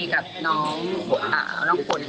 อยากให้สังคมรับรู้ด้วย